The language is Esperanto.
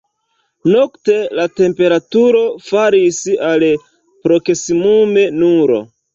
Nokte la temperaturo falis al proksimume nulo.